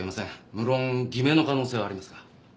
無論偽名の可能性はありますが。